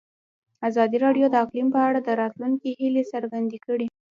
ازادي راډیو د اقلیم په اړه د راتلونکي هیلې څرګندې کړې.